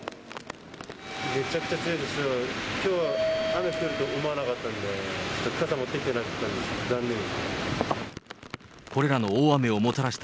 めちゃくちゃ強いですね、きょうは雨降ると思わなかったので、傘持ってきてなかったんで、残念です。